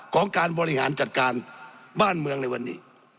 ของการบริหารจัดการบ้านเมืองในวันนี้